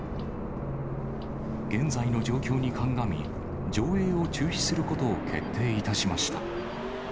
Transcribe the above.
現在の状況に鑑み、上映を中止することを決定いたしました。